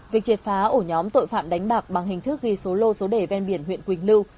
việc triệt phá ổ nhóm tội phạm đánh bạc bằng hình thức ghi số lô số đề ven biển huyện quỳnh lưu